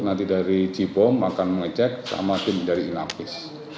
nanti dari jipom akan mengecek sama tim dari inapis